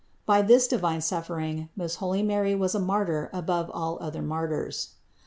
By this divine suffering most holy Mary was a Martyr above all other martyrs.